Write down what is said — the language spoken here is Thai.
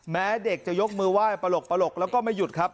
แม้เด็กจะยกมือไหว้ปลกแล้วก็ไม่หยุดครับ